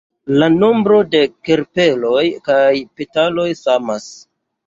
La nombro de karpeloj kaj petaloj samas.